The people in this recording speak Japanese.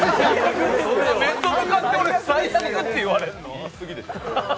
面と向かって俺最悪って言われんの？